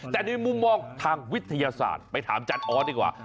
แต่ในมุมมองทางวิทยาศาสตร์ไปถามอาจารย์ออสดีกว่า